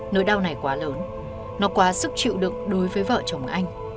nỗi đau này quá lớn nó quá sức chịu đựng đối với vợ chồng anh